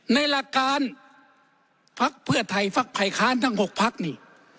ในหลักการภักดิ์เพื่อไทยภักดิ์ภัยค้านทั้ง๖ภักดิ์